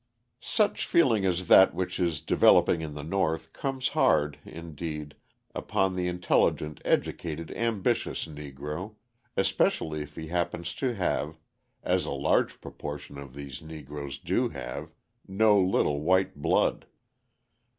Such feeling as that which is developing in the North comes hard, indeed, upon the intelligent, educated, ambitious Negro especially if he happens to have, as a large proportion of these Negroes do have, no little white blood.